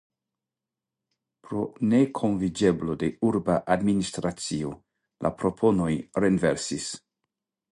Pro nekonviĝeblo de urba administracio la proponoj renversitis.